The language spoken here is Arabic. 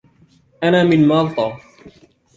أنا من مالطا.